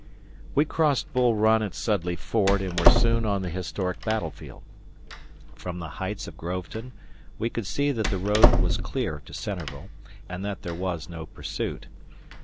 We crossed Bull Run at Sudley Ford and were soon on the historic battlefield. From the heights of Groveton we could see that the road was clear to Centreville, and that there was no pursuit.